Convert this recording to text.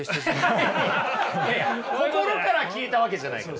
いやいや心から消えたわけじゃないから。